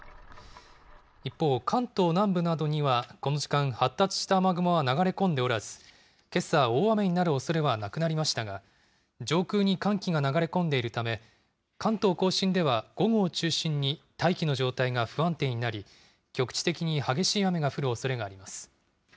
一方、関東南部などには、この時間、発達した雨雲は流れ込んでおらず、けさ、大雨になるおそれはなくなりましたが、上空に寒気が流れ込んでいるため、関東甲信では午後を中心に大気の状態が不安定になり、局地的に激しい雨が降るおそれがあります。